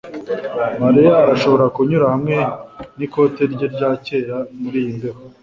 Mariya arashobora kunyura hamwe n'ikote rye rya kera muriyi mbeho